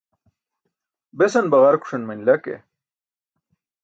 Besan baġarkuṣan manila ke